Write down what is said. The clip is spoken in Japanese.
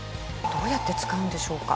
どうやって使うんでしょうか？